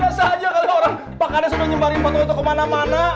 biasa aja kali orang pakade sudah nyembarin potongan itu kemana mana